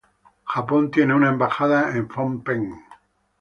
Japón tiene una embajada en Phnom Penh.